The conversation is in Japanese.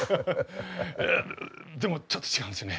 でもちょっと違うんですよね。